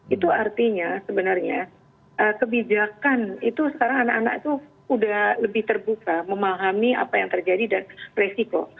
itu artinya sebenarnya kebijakan itu sekarang anak anak itu sudah lebih terbuka memahami apa yang terjadi dan resiko